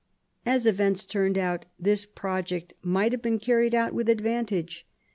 As events turned out this project might have been carried out with advantage.